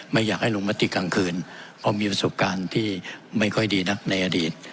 ไม่อยากให้ลงมติกลางคืนเพราะมีประสบการณ์ที่ไม่ค่อยดีนักในอดีต